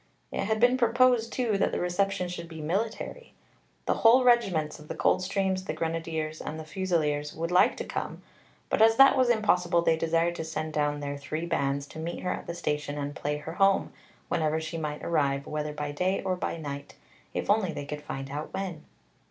It had been proposed, too, that the reception should be military. "The whole regiments" of the Coldstreams, the Grenadiers, and the Fusiliers "would like to come, but as that was impossible, they desired to send down their three Bands to meet her at the station and play her home, whenever she might arrive, whether by day or by night, if only they could find out when."